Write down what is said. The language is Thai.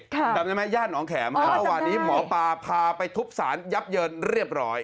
ครับแบบนี้ไหมญาติน้องแขมอ๋อวันนี้หมอปลาพาไปทุบศาลยับเยินเรียบร้อย